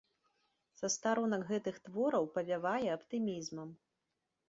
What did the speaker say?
Са старонак гэтых твораў павявае аптымізмам.